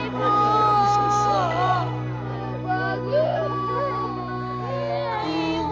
ibu aduh sayang sama ibu